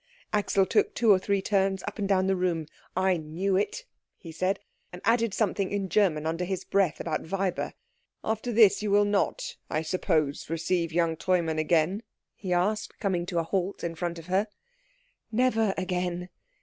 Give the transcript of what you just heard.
Axel took two or three turns up and down the room. "I knew it," he said; and added something in German under his breath about Weiber. "After this, you will not, I suppose, receive young Treumann again?" he asked, coming to a halt in front of her. "Never again."